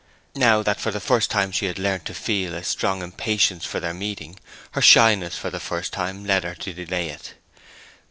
Now that for the first time he had learnt to feel a strong impatience for their meeting, her shyness for the first time led her to delay it.